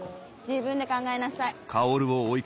自分で考えなさい。